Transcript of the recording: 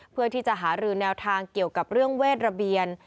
เพื่อที่จะหารือแนวทางเกี่ยวกับเรื่องเวทระเบียน